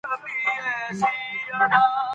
سانتیاګو له خبرو نوي درسونه اخلي.